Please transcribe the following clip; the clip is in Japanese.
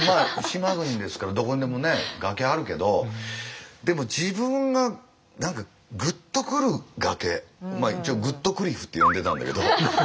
島国ですからどこにでも崖あるけどでも自分が何かグッとくる崖一応グットクリフって呼んでたんだけど。